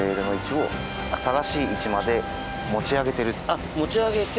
あっ持ち上げて。